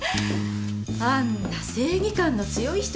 あんな正義感の強い人がねぇ。